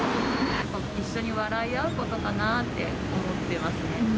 一緒に笑い合うことかなって思ってますね。